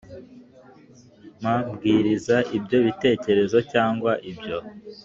mabwiriza ibyo bitekerezo cyangwa ibyo